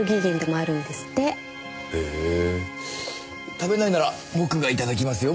食べないなら僕がいただきますよ。